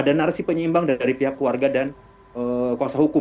ada narasi penyeimbang dari pihak keluarga dan kuasa hukum